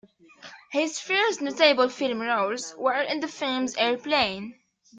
His first notable film roles were in the films Airplane!